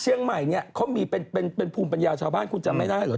เชียงใหม่เนี่ยเขามีเป็นภูมิปัญญาชาวบ้านคุณจำไม่ได้เหรอ